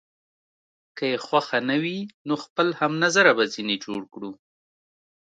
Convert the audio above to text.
که يې خوښ نه وي، نو خپل هم نظره به ځینې جوړ کړو.